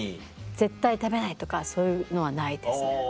絶対食べないとかそういうのはないですね。